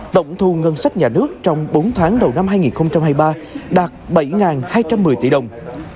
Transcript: tổng thu ngân sách nhà nước trong bốn tháng đầu năm hai nghìn hai mươi ba đạt bảy hai trăm một mươi tỷ đồng